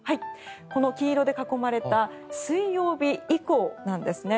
この黄色で囲まれた水曜日以降なんですね。